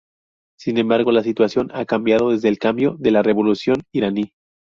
Sin embargo, la situación ha cambiado desde el cambio de la revolución iraní.